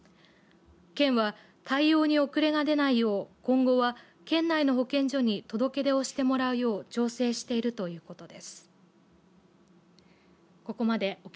県は、対応に遅れが出ないよう今後は、県内の保健所に届け出をしてもらうよう調整しているということです。